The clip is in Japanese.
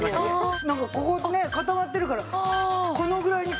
なんかここね固まってるからこのぐらいに。